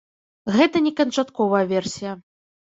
Гэта не канчатковая версія.